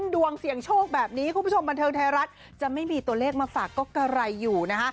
ดวงเสี่ยงโชคแบบนี้คุณผู้ชมบันเทิงไทยรัฐจะไม่มีตัวเลขมาฝากก็กะไรอยู่